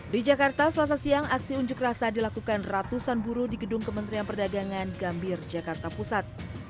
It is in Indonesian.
di jakarta selasa siang aksi unjuk rasa dilakukan ratusan buruh di gedung kementerian perdagangan gambir jakarta pusat